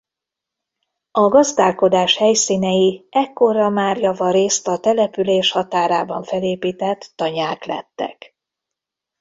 A gazdálkodás helyszínei ekkorra már javarészt a település határában felépített tanyák lettek.